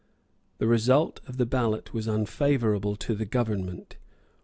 The result of the ballot was unfavourable to the government.